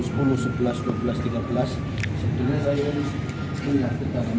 sebetulnya saya punya ke dalam